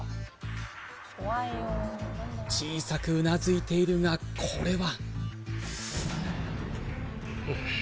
小さくうなずいているがこれは？